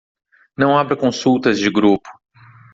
Não abra consultas de grupo